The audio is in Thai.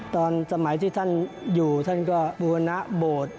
ตอนสมัยที่ท่านอยู่ท่านก็บูรณะโบสถ์